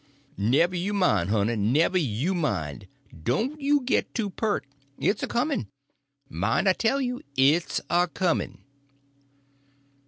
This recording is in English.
"Never you mind, honey, never you mind. Don't you git too peart. It's a comin'. Mind I tell you, it's a comin'."